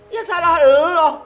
ya salah lo